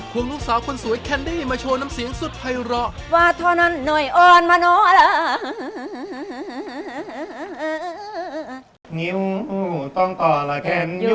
คือสมัยก่อนตอนที่คุณแม่ขยันทำกับข้าวนิดนึงค่ะ